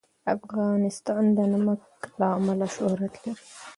افغانستان د نمک له امله شهرت لري.